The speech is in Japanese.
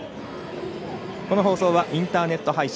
この放送はインターネット配信